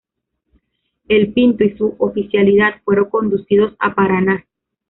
El "Pinto" y su oficialidad fueron conducidos a Paraná.